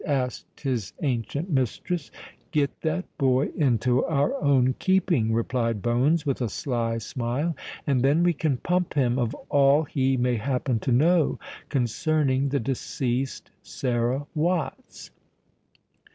asked his ancient mistress. "Get that boy into our own keeping," replied Bones, with a sly smile; "and then we can pump him of all he may happen to know concerning the deceased Sarah Watts."